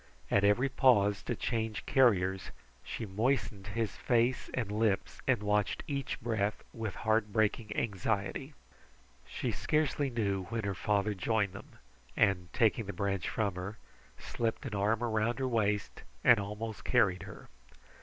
At every pause to change carriers she moistened his face and lips and watched each breath with heart breaking anxiety. She scarcely knew when her father joined them, and taking the branch from her, slipped an arm around her waist and almost carried her.